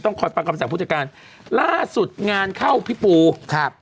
คอยฟังคำสั่งผู้จัดการล่าสุดงานเข้าพี่ปูครับ